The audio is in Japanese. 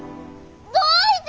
どういて！？